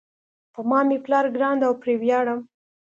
په ما مېپلار ګران ده او پری ویاړم